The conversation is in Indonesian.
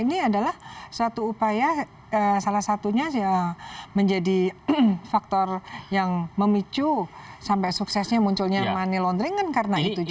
ini adalah suatu upaya salah satunya ya menjadi faktor yang memicu sampai suksesnya munculnya money laundering kan karena itu juga